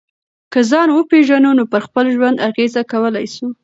که ځان وپېژنو نو پر خپل ژوند اغېزه کولای سو.